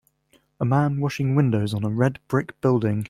A man washing windows on a red brick building.